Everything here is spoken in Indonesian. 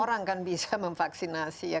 orang kan bisa memvaksinasi ya